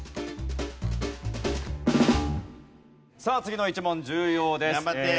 さあ次の１問重要ですね。